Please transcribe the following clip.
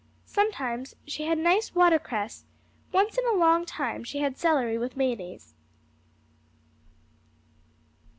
Sometimes she had nice watercress; once in a long time she had celery with mayonnaise.